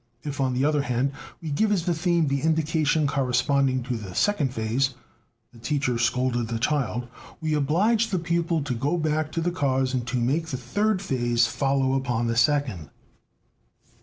If, on the other hand, we give as the theme the indication corresponding to the second phase: 'The teacher scolded the child,' we oblige the pupil to go back to the cause and to make the third phase follow upon the second.